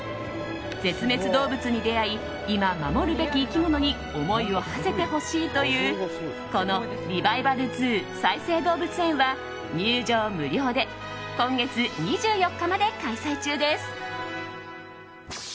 絶滅動物に出会い今、守るべき生き物に思いをはせてほしいというこの「ＲＥＶＩＶＡＬＺＯＯ再生動物園」は入場無料で今月２４日まで開催中です。